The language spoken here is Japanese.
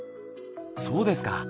そうですか。